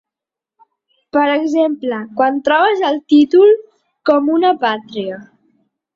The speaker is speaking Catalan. Per exemple, quan trobes el títol: “Com una pàtria”.